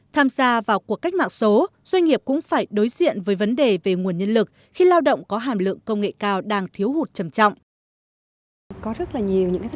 tham gia vào cuộc cách mạng số doanh nghiệp cũng phải đối diện với vấn đề về nguồn nhân lực khi lao động có hàm lượng công nghệ cao đang thiếu hụt trầm trọng